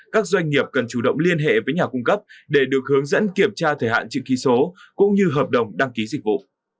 các doanh nghiệp cần chủ động liên hệ với nhà cung cấp để được hướng dẫn kiểm tra thời hạn chữ ký số cũng như hợp đồng đăng ký dịch vụ